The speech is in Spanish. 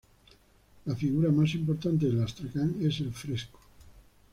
La figura más importante del astracán es el "fresco".